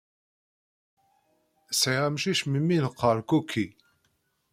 Sɛiɣ amcic mimi neqqar Cookie.